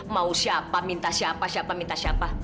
mau siapa minta siapa siapa minta siapa